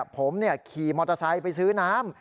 ผมขี่มอเตอร์ไซค์ไปซื้อน้ำ